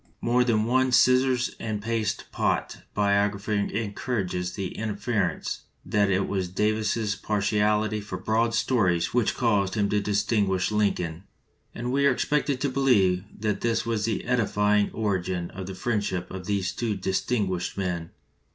More than one scissors and paste pot biographer encourages the inference that it was Davis's partiality for broad stories which caused him to distinguish Lincoln, and we are expected to believe that this was the edifying origin of the friendship of these two distinguished men.